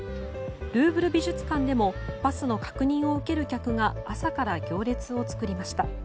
ルーブル美術館でもパスの確認を受ける客が朝から行列を作りました。